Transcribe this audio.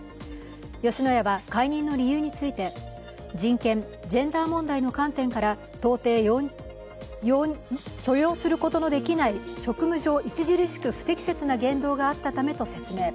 吉野家は解任の理由について、人権・ジェンダー問題の観点から、到底許容することのできない職務上著しく不適切な言動があったためと説明。